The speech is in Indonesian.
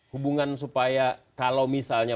hubungan supaya kalau misalnya